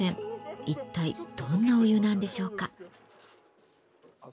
一体どんなお湯なんでしょうか。